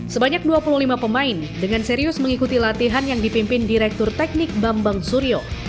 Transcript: sebanyak dua puluh lima pemain dengan serius mengikuti latihan yang dipimpin direktur teknik bambang suryo